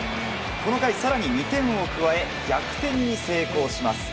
この回、更に２点を加え逆転に成功します。